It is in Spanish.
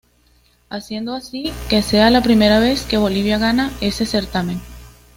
Haciendo así que sea la primera vez que Bolivia gana ese certamen.